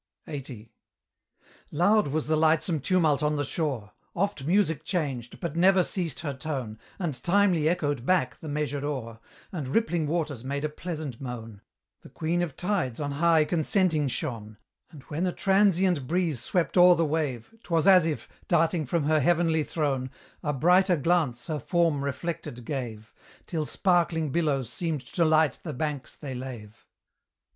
LXXX. Loud was the lightsome tumult on the shore; Oft Music changed, but never ceased her tone, And timely echoed back the measured oar, And rippling waters made a pleasant moan: The Queen of tides on high consenting shone; And when a transient breeze swept o'er the wave, 'Twas as if, darting from her heavenly throne, A brighter glance her form reflected gave, Till sparkling billows seemed to light the banks they lave.